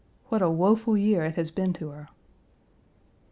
What a woful year it has been to her.